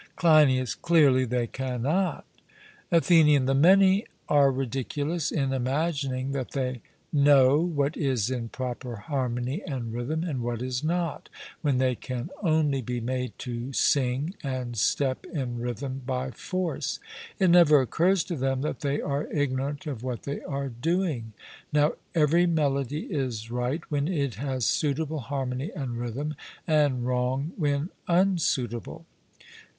CLEINIAS: Clearly they cannot. ATHENIAN: The many are ridiculous in imagining that they know what is in proper harmony and rhythm, and what is not, when they can only be made to sing and step in rhythm by force; it never occurs to them that they are ignorant of what they are doing. Now every melody is right when it has suitable harmony and rhythm, and wrong when unsuitable.